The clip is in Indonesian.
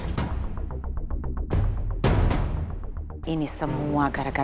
beritahulah kak iko